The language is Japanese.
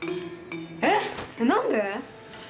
えっ！？何で？